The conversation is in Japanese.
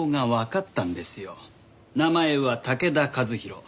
名前は武田和広。